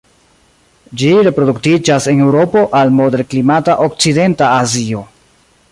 Ĝi reproduktiĝas en Eŭropo al moderklimata okcidenta Azio.